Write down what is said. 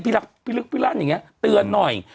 พี่ลึกพี่ลั่นอย่างนี้เตือนหน่อย